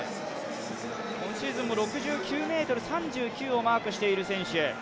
今シーズンも６９ｍ３９をマークしている選手。